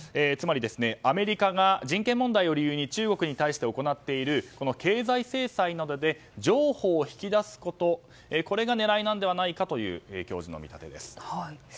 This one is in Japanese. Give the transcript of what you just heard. つまり、アメリカが人権問題を理由に中国に対して行っている経済制裁などで譲歩を引き出すことこれが狙いなのではないかという教授の見立てです。